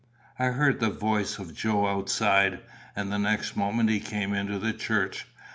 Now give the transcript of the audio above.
I heard the voice of Joe outside, and the next moment he came into the church.